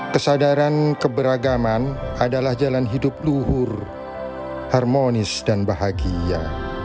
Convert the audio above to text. kesadaran keberagaman adalah jalan hidup luhur harmonis dan bahagia